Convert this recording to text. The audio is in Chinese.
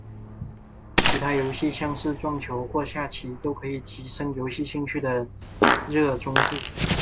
其他游戏像是撞球或下棋都可以提升游戏兴趣的热衷度。